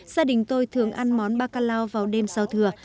gia đình tôi thường ăn món bạc ca lao vào đêm sao thừa